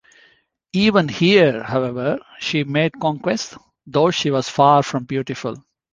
Even here, however, she made conquests, though she was far from beautiful.